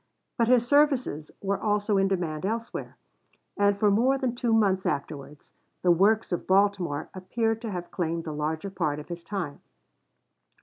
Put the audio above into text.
But his services were also in demand elsewhere, and for more than two months afterwards the works at Baltimore appear to have claimed the larger part of his time.